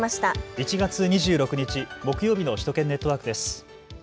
１月２６日木曜日の首都圏ネットワークです。